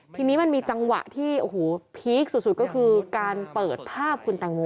ทีนี้มันมีจังหวะที่โอ้โหพีคสุดก็คือการเปิดภาพคุณแตงโม